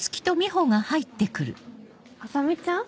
麻美ちゃん？